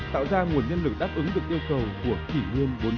tạo ra nguồn nhân lực đáp ứng được yêu cầu của kỷ nguyên bốn